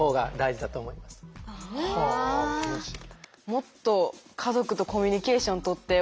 もっと家族とコミュニケーションとっておばあちゃん